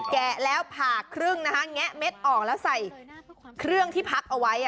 แกะแล้วผ่าครึ่งนะคะแงะเม็ดออกแล้วใส่เครื่องที่พักเอาไว้